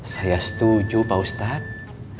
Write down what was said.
saya setuju pak ustadz